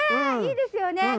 いいですよね。